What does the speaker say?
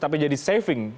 tapi jadi saving